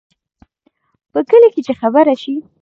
په کلي کې چې خبره شي،